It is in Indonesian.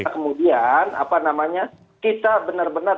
kemudian kita benar benar